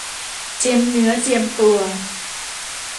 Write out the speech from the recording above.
เจียมเนื้อเจียมตัว